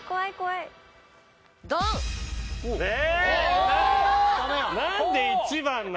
え！